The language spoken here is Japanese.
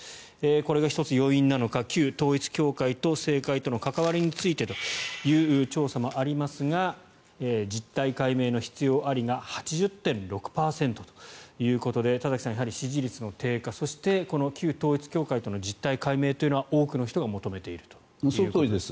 これが１つ要因なのか旧統一教会と政界との関わりについてという調査もありますが実態解明の必要ありが８０．６％ということで田崎さん、支持率の低下そして旧統一教会との関わりの実態解明というのは、多くの人が求めているということです。